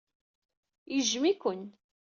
Yejjem-iken.